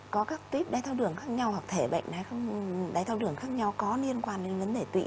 có các tuyếp đái tháo đường khác nhau hoặc thể bệnh đái tháo đường khác nhau có liên quan đến vấn đề tụy